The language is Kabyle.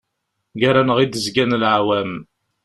Ger-aneɣ i d-zgan leɛwam.